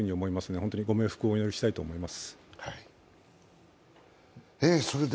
本当にご冥福をお祈りしたいと思います。